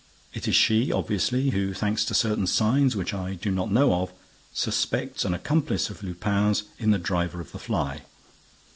It is she, obviously, who, thanks to certain signs which I do not know of, suspects an accomplice of Lupin's in the driver of the fly.